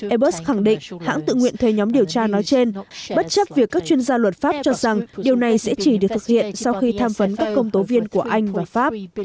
airbus khẳng định hãng tự nguyện thuê nhóm điều tra nói trên bất chấp việc các chuyên gia luật pháp cho rằng điều này sẽ chỉ được thực hiện sau khi tham vấn các công tố viên của anh và pháp